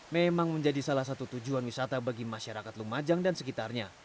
memang menjadi salah satu tujuan wisata bagi masyarakat lumajang dan sekitarnya